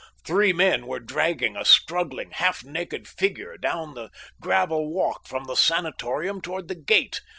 Three men were dragging a struggling, half naked figure down the gravel walk from the sanatorium toward the gate.